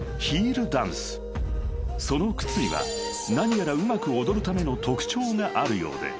［その靴には何やらうまく踊るための特徴があるようで］